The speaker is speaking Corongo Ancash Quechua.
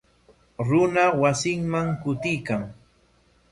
Runa wasinman kutiykan.